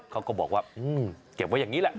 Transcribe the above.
เขาก็บอกว่าเก็บไว้อย่างนี้แหละ